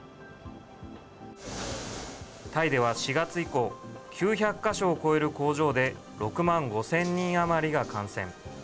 タイでは４月以降、９００か所を超える工場で６万５０００人余りが感染。